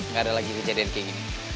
nggak ada lagi kejadian kayak gini